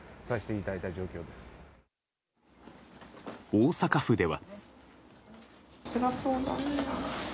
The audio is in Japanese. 大阪府では。